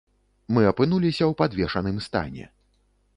Мы апынуліся ў падвешаным стане.